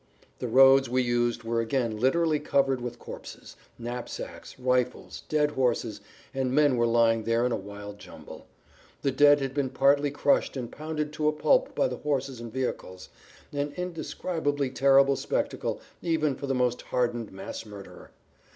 The roads we used were again literally covered with corpses; knapsacks, rifles, dead horses and men were lying there in a wild jumble. The dead had been partly crushed and pounded to a pulp by the horses and vehicles, an indescribably terrible spectacle even for the most hardened mass murderer.